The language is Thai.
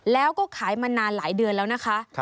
แล้วก็ขายมานานหลายเดือนแล้วนะคะ